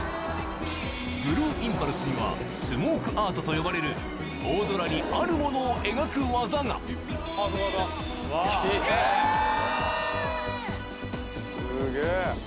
ブルーインパルスにはスモークアートと呼ばれる大空にあるものを描く技がすげぇ。